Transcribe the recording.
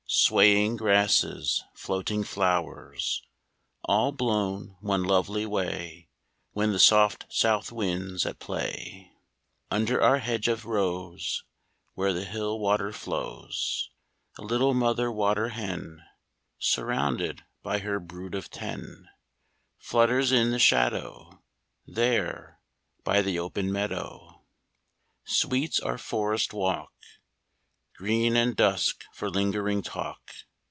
Swaying grasses, floating flowers, All blown one lovely way WHen the soft south wind's at play ! Under our hedge of rose Where the hill water flows A little mother water hen Surrounded by her brood of ten Flutters in the shadow There, by the open meadow. Sweet's our forest walk Green and dusk for lingering talk.